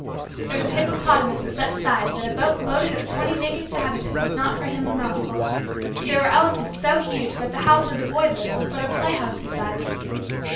There was a hippopotamus of such size that a boat load of twenty naked savages was not for him a mouthful. There were elephants so huge that the house where the boy lived was but a play house beside them.